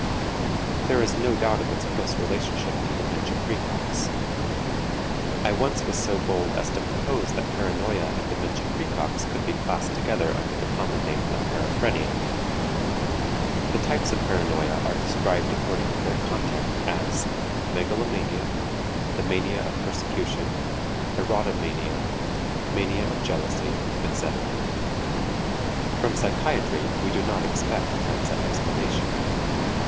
There is no doubt of its close relationship to dementia praecox. I once was so bold as to propose that paranoia and dementia praecox could be classed together under the common name of paraphrenia. The types of paranoia are described according to their content as: megalomania, the mania of persecution, eroto mania, mania of jealousy, etc. From psychiatry we do not expect attempts at explanation.